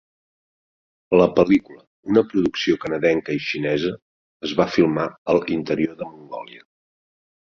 La pel·lícula, una producció canadenca i xinesa, es va filmar al interior de Mongòlia.